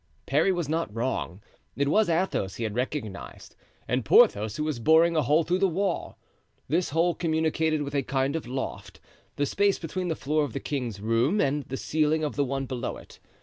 Parry was not wrong. It was Athos he had recognized, and Porthos who was boring a hole through the wall. This hole communicated with a kind of loft—the space between the floor of the king's room and the ceiling of the one below it.